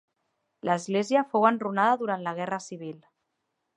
L'església fou enrunada durant la Guerra Civil.